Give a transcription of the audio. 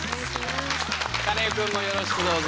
カネオくんもよろしくどうぞ。